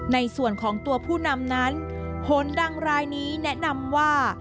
ในส่วนของตัวผู้นำนั้นโหนดังรายนี้แนะนำว่า